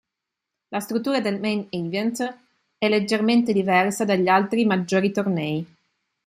La struttura del Main Event è leggermente diversa dagli altri maggiori tornei.